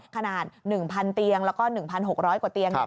ขนาด๑๐๐เตียงแล้วก็๑๖๐๐กว่าเตียง